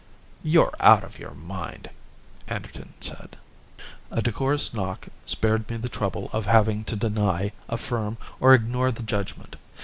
"You're out of your mind," Anderton said. A decorous knock spared me the trouble of having to deny, affirm or ignore the judgment.